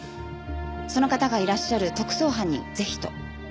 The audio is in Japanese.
その方がいらっしゃる特捜班にぜひと。